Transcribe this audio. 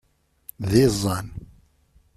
D iẓẓan.